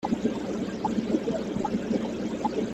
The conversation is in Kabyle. Ur am-tent-id-yettak ara?